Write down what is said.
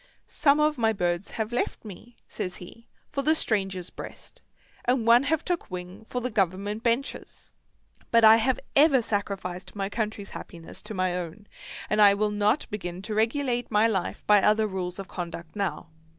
"Some of my birds have left me," says he, "for the stranger's breast, and one have took wing for the Government benches. But I have ever sacrificed my country's happiness to my own, and I will not begin to regulate my life by other rules of conduct now.